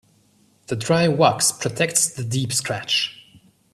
The dry wax protects the deep scratch.